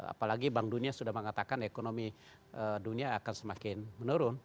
apalagi bank dunia sudah mengatakan ekonomi dunia akan semakin menurun